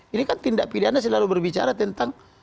ini kan tindak pidana selalu berbicara tentang